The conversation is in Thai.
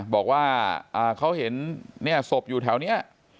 บอกว่าเขาเห็นศพอยู่แถวนี้